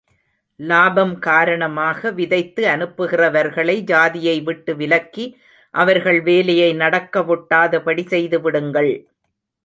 லாபம் காரணமாக விதைத்து அனுப்புகிறவர்களை ஜாதியை விட்டு விலக்கி, அவர்கள் வேலையை நடக்க வொட்டாதபடி செய்துவிடுங்கள்.